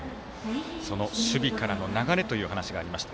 守備からの流れという話がありました。